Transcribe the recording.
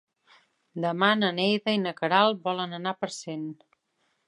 Demà na Neida i na Queralt volen anar a Parcent.